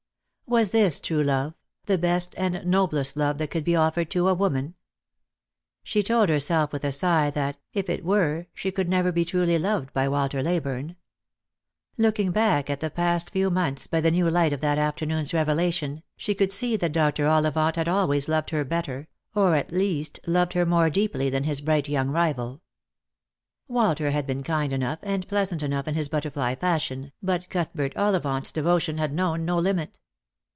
Was this true love, the best and noblest love that could be offered to a woman ? She told herself with a sigh that, if it were, she could never be truly loved by Walter Leyburne. Looking back at the past few months by the new light of that afternoon's revelation, she could see that Dr. Ollivant had always loved her better, or at least loved her more deeply, than his bright young rival. Walter had been kind enough and pleasant enough in his butterfly fashion, but Cuthbert Olli vant's devotion had known no limit.